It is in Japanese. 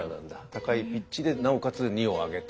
高いピッチでなおかつ二を上げて。